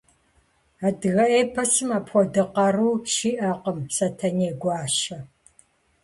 Адыгэ эпосым апхуэдэ къару щиӏэкъым Сэтэней гуащэ.